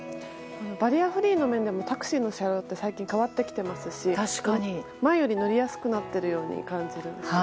バリアフリーの面でもタクシーの車両って最近、変わってきてますし前より乗りやすくなってるように感じるんですけど。